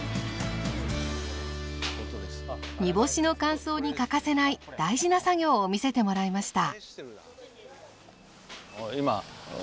煮干しの乾燥に欠かせない大事な作業を見せてもらいました。